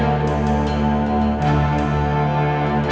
aku mau berhenti